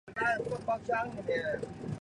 涩谷站西侧丘陵地的繁华街。